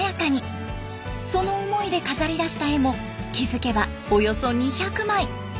その思いで飾りだした絵も気付けばおよそ２００枚。